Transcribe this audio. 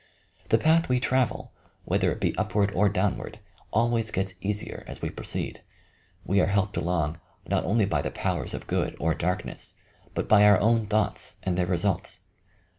The path we travel, whether it be upward or downward, always gets easier as we proceed. We are helped along not only by the powers of good or darkness, but by our own thoi^hts and their results.